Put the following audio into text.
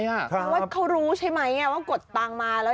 ว่าเขารู้ใช่ไหมอ่ะว่ากดตังมาแล้วเนี่ย